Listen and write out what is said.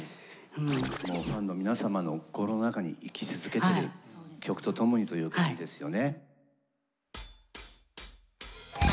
ファンの皆様の心の中に生き続けてる曲と共にという感じですよね。